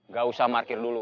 gak usah markir dulu